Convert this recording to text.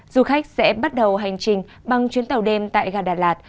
du khách sẽ bắt đầu hành trình bằng chuyến tàu đêm tại gà đà lạt